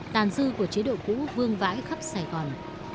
tàn dư của chế độ cũ vương vãi khắp sài gòn